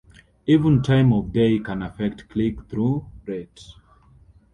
Even time of day can affect click-through rate.